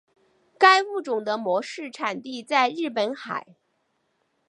该物种的模式产地在日本海。